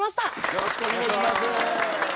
よろしくお願いします。